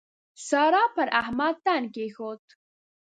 سارا پر احمد تن کېښود.